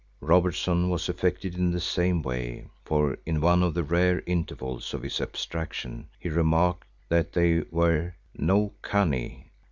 Robertson was affected in the same way, for in one of the rare intervals of his abstraction he remarked that they were "no canny."